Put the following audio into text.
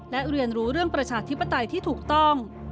และเรียนรู้เรื่องประชาธิปไตยที่ถูกต้อง